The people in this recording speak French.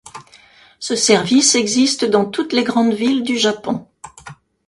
Ce service existe dans toutes les grandes villes du Japon.